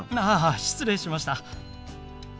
ああ失礼しました。